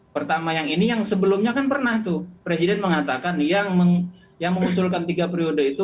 pertama yang ini yang sebelumnya kan pernah tuh presiden mengatakan yang mengusulkan tiga periode itu